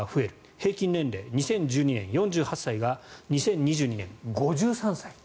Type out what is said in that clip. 平均年齢２０１２年４８歳が２０２２年、５３歳。